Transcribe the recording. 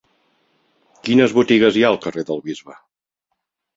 Quines botigues hi ha al carrer del Bisbe?